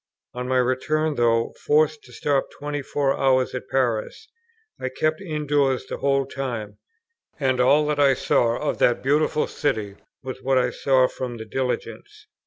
On my return, though forced to stop twenty four hours at Paris, I kept indoors the whole time, and all that I saw of that beautiful city was what I saw from the Diligence.